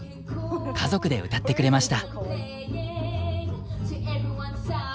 家族で歌ってくれました。